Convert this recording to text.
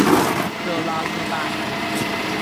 戈拉日代。